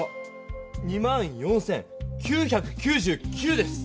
あ２４９９９です。